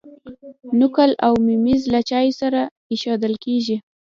نقل او ممیز له چای سره ایښودل کیږي.